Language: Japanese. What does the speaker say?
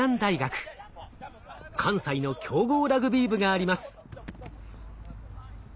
関西の強豪ラグビー部があります。